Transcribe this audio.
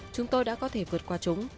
chúng tôi đã có thể vượt qua chúng